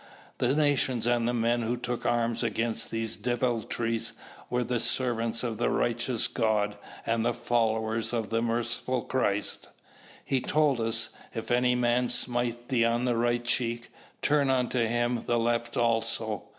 The nations and the men who took arms against these deviltries were the servants of the righteous God and the followers of the merciful Christ. He told us, "If any man smite thee on the right cheek, turn unto him the left also."